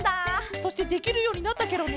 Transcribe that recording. そしてできるようになったケロね！